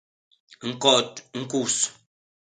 ñkot ñkus.